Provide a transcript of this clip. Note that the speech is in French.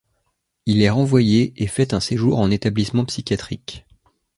Il est renvoyé et fait un séjour en établissement psychiatrique.